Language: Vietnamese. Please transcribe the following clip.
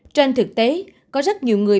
trên thực tế có rất nhiều người